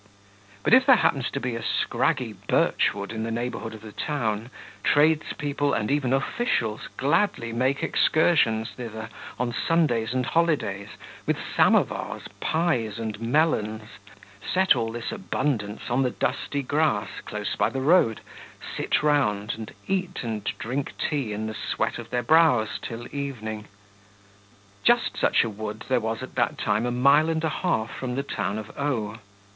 But if there happens to be a scraggy birchwood in the neighbourhood of the town, tradespeople and even officials gladly make excursions thither on Sundays and holidays, with samovars, pies, and melons; set all this abundance on the dusty grass, close by the road, sit round, and eat and drink tea in the sweat of their brows till evening. Just such a wood there was at that time a mile and a half from the town of O